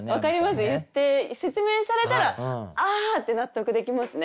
言って説明されたらあって納得できますね。